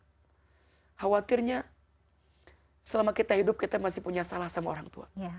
khawatirnya selama kita hidup kita masih punya salah sama orang tua